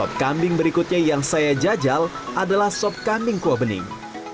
sop kambing berikutnya yang saya jajal adalah sop kambing kuah bening